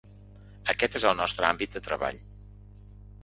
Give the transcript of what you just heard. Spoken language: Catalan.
Aquest és el nostre àmbit de treball.